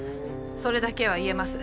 それだけは言えます。